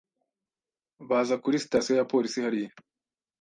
Baza kuri sitasiyo ya polisi hariya.